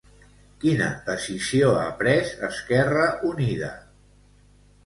Quina decisió ha pres Esquerra Unida?